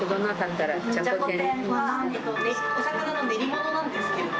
じゃこ天はお魚の練り物なんですけど。